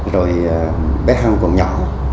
rồi bé hân còn nhỏ